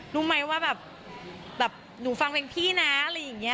รู้ไหมว่าแบบหนูฟังเพลงพี่นะอะไรอย่างนี้